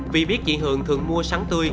vì biết chị hường thường mua sáng tươi